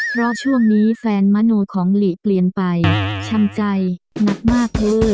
เพราะช่วงนี้แฟนมโนของหลีเปลี่ยนไปช่ำใจหนักมากเธอ